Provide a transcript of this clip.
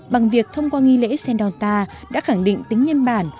bằng việc thông qua nghi lễ sendonta đã khẳng định tính nhân bản